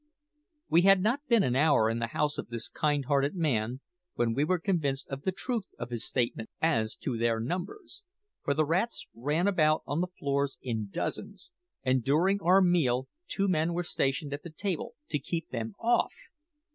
We had not been an hour in the house of this kind hearted man when we were convinced of the truth of his statement as to their numbers; for the rats ran about the floors in dozens, and during our meal two men were stationed at the table to keep them off!